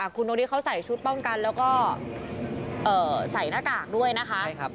คุณโอริเขาใส่ชุดป้องกันแล้วก็ใส่หน้ากากด้วยนะคะ